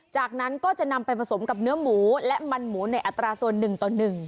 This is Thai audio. จากนั้นก็จะนำไปผสมกับเนื้อหมูและมันหมูในอัตราส่วน๑ต่อ๑